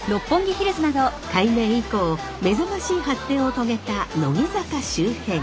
改名以降目覚ましい発展を遂げた乃木坂周辺。